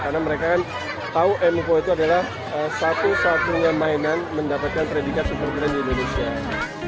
karena mereka tahu emco itu adalah satu satunya mainan mendapatkan predikat super grand di indonesia